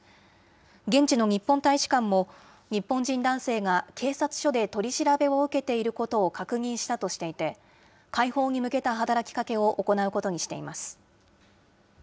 現地の日本大使館も、日本人男性が警察署で取り調べを受けていることを確認したとしていて、解放に向けた働きかけを行うことにしています。